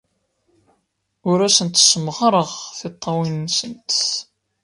Ur asent-ssemɣareɣ tiṭṭawin-nsent.